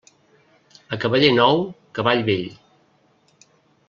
A cavaller nou, cavall vell.